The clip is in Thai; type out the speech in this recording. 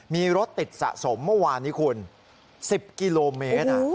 มีรถติดสะสมเมื่อวานนี้คุณ๑๐กิโลเมตร